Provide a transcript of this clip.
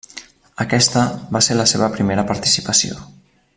Aquesta va ser la seva primera participació.